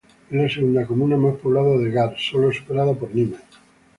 Es la segunda comuna más poblada de Gard, sólo superada por Nimes.